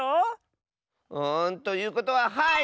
んということははい！